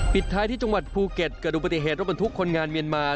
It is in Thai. ปิดท้ายที่จังหวัดภูเก็ตเกดูปฏิเหตุรบทุกข์คนงานเมียนมา